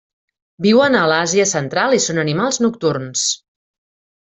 Viuen a l'Àsia Central i són animals nocturns.